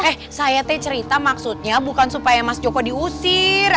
eh saya teh cerita maksudnya bukan supaya mas joko diusir